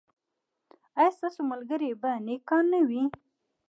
ایا ستاسو ملګري به نیکان نه وي؟